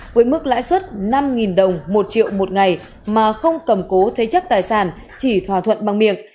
với mức lãi suất năm đồng một triệu một ngày mà không cầm cố thế chấp tài sản chỉ thỏa thuận bằng miệng